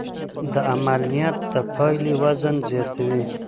د عمل نیت د پایلې وزن زیاتوي.